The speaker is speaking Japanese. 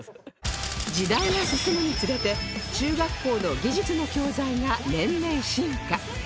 時代が進むにつれて中学校の技術の教材が年々進化